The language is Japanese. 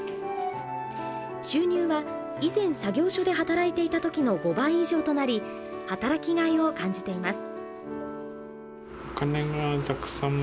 収入は以前作業所で働いていた時の５倍以上となり働きがいを感じています。